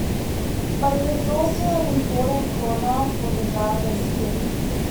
But it is also an important corner for the driver's feeling.